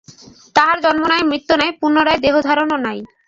তাঁহার জন্ম নাই, মৃত্যু নাই, পুনরায় দেহধারণও নাই।